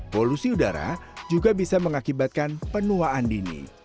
polusi udara juga bisa mengakibatkan penuaan dini